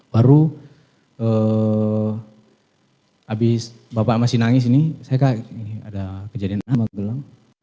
baru abis bapak masih nangis ini saya kaget ada kejadian apa di magelang